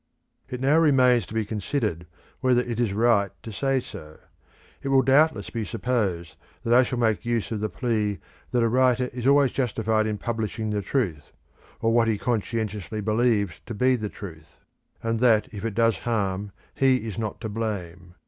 It now remains to be considered whether it is right to say so. It will doubtless be supposed that I shall make use of the plea that a writer is always justified in publishing the truth, or what he conscientiously believes to be the truth, and that if it does harm he is not to blame.